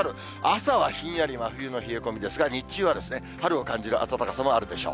朝はひんやり、真冬の冷え込みですが、日中は春を感じる暖かさもあるでしょう。